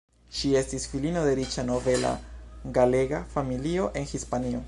Ŝi estis filino de riĉa nobela galega familio en Hispanio.